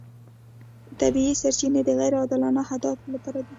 طبیعي سرچینې د غیر عادلانه اهدافو لپاره دي.